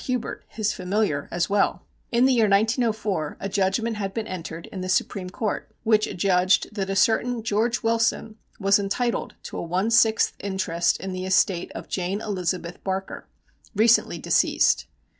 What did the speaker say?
Hubert, his familiar, as well. In the year 1904 a judgment had been entered in the Supreme Court, which adjudged that a certain George Wilson was entitled to a one sixth interest in the estate of Jane Elizabeth Barker, recently deceased.